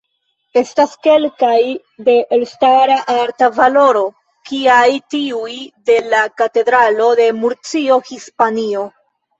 Estas kelkaj de elstara arta valoro, kiaj tiuj de la katedralo de Murcio, Hispanio.